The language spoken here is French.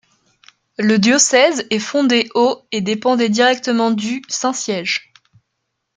Le diocèse est fondé au et dépendait directement du Saint-Siège.